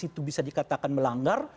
itu bisa dikatakan melanggar